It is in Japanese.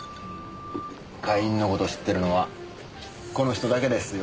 会員の事知ってるのはこの人だけですよ。